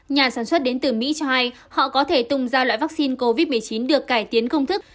nhà sản xuất đến từ mỹ cho hay họ có thể tung ra loại vaccine covid một mươi chín được cải tiến công thức